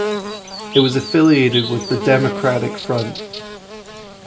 It was affiliated with the Democratic Front.